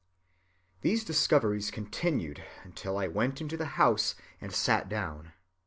"These discoveries continued until I went into the house and sat down.